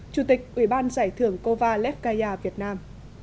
chủ tịch ủy ban giải thưởng cova lefkaia việt nam